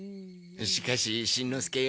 しかししんのすけよ。